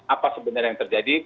apa sebenarnya yang terjadi